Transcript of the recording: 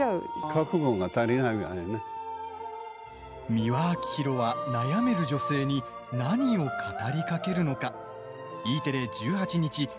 美輪明宏は悩める女性に何を語りかけるのか？